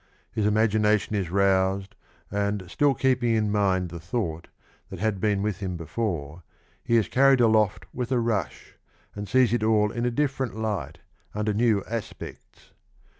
^ His imagination is roused, and still keeping in mind the thought that had been with him before, he is carried aloft with a rush, and sees it all in a different light, under new aspects.